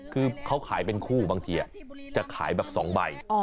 คือเขาขายเป็นคู่บางทีจะขายแบบ๒ใบ